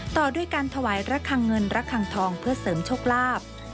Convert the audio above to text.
ต่อด้วยการถวายระคังเงินระคังทองเพื่อเสริมโชคลาภ